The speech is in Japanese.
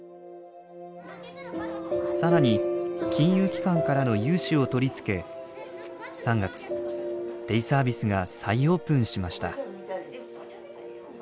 更に金融機関からの融資を取り付け３月デイサービスが再オープンしました。